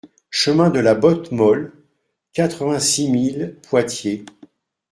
Chemin de la Botte Molle, quatre-vingt-six mille Poitiers